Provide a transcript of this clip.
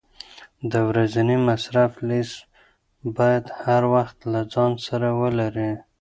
د ورځني مصرف لیست باید هر وخت له ځان سره ولرې.